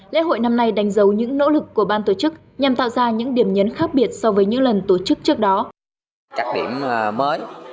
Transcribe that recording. lễ hội năm nay đánh dấu những nỗ lực của ban tổ chức nhằm tạo ra những điểm nhấn khác biệt so với những lần tổ chức trước đó